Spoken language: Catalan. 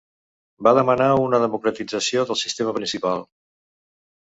Va demanar una democratització del sistema principal.